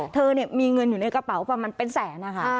เธอมีเงินอยู่ในกระเป๋าประมาณเป็นแสนนะคะ